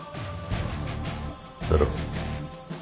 だろ？